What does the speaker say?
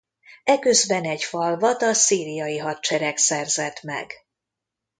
Eközben egy falvat a Szíriai Hadsereg szerzett meg.